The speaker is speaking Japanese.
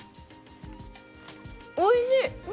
おいしい！